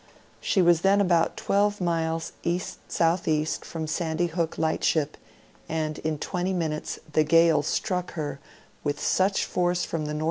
She was then about 12 miles E.S.E. from Sandy Hook lightship, and in twenty minutes the gale struck her with such force from N.W.